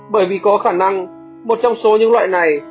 bởi vì có khả năng một trong số những loại này